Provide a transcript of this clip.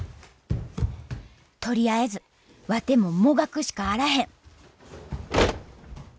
とりあえずワテももがくしかあらへん